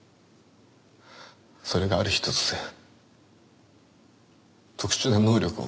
それがある日突然特殊な能力を持った。